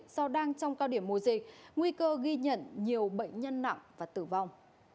do đang trong cao điểm mùa dịch nguy cơ ghi nhận nhiều bệnh nhân nặng và tử vong